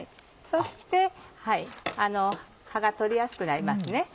そして葉が取りやすくなりますね。